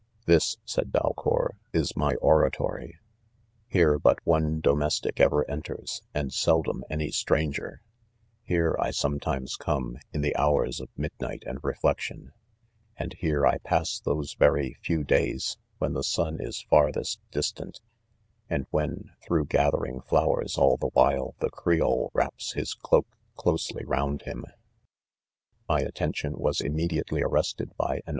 (*•?)." This," said D&lcour, '" is my oratory.— . Here but one "'"domestic ever ^nterSi^Jradjid* '' dom any stranger'; here I sometimes come^m' the hours 'of midnight and reflection 5' and 'heie I pass those very few days^ wJseaiiheisuiiJs— 74 IDOHfE^* farthest . distant, "and when, though gathering flowers all the while, the Creole wraps his cloak, closely round him." My attention, was immediately arrested by an..